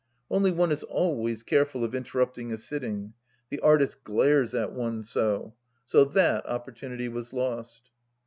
Only one is always careful of interrupting a sitting. The artist glares at one so. So that opportunity was lost.